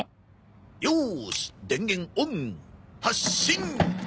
よし電源オン！発進！